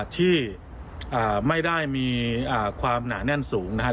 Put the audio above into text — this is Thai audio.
ที่ไม่ได้มีความหนาแน่นสูงนะครับ